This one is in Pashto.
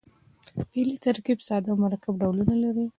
فعلي ترکیب ساده او مرکب ډولونه لري.